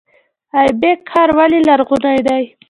ایبک ښار ولې لرغونی دی؟